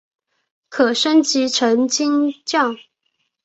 可升级成金将。